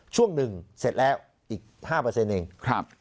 ช่วงหนึ่งเสร็จแล้วอีกห้าเปอร์เซ็นต์เองครับ